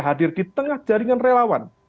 hadir di tengah jaringan relawan